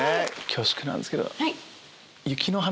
恐縮なんですけど。